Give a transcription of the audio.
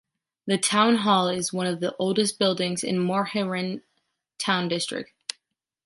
The town hall is one of the oldest buildings in the Möhringen town district.